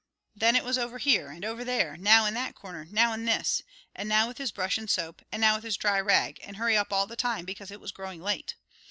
Then it was over here, and over there, now in that corner, now in this, and now with his brush and soap, and now with his dry rag, and hurry up all the time because it was growing late.